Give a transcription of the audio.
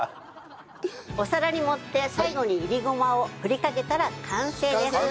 お皿に盛って最後にいりごまを振りかけたら完成です。